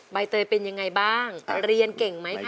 ใบเตยเป็นยังไงบ้างเรียนเก่งไหมคะ